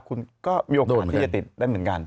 คุณก็มีโอกาสที่จะติดได้เหมือนกัน